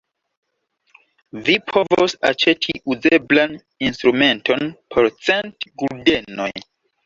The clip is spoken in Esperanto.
Vi povos aĉeti uzeblan instrumenton por cent guldenoj.